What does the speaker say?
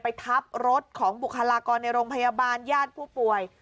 ทับรถของบุคลากรในโรงพยาบาลญาติผู้ป่วย